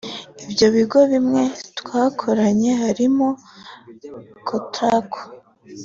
ibyo bigo bimwe twakoranye harimo Cotraco